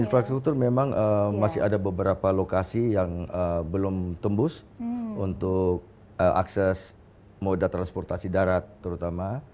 infrastruktur memang masih ada beberapa lokasi yang belum tembus untuk akses moda transportasi darat terutama